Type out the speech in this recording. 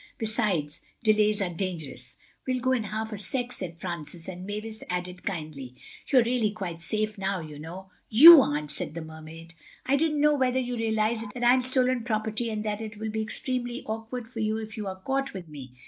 Besides, delays are dangerous." "We'll go in half a sec," said Francis, and Mavis added kindly: "You're really quite safe now, you know." "You aren't," said the Mermaid. "I don't know whether you realize that I'm stolen property and that it will be extremely awkward for you if you are caught with me."